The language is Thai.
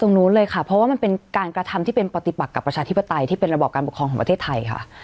ตรงนู้นเลยค่ะเพราะว่ามันเป็นการกระทำที่เป็นปฏิปักกับประชาธิปไตยที่เป็นระบอบการปกครองของประเทศไทยค่ะ